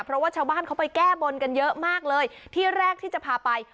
เพราะว่าชาวบ้านเขาไปแก้บนกันเยอะมากเลยที่แรกที่จะพาไป